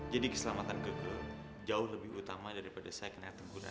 jadi keselamatan keke jauh lebih utama daripada saya kena teguran